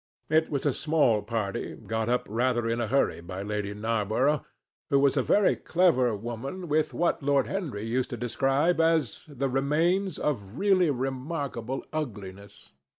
It was a small party, got up rather in a hurry by Lady Narborough, who was a very clever woman with what Lord Henry used to describe as the remains of really remarkable ugliness.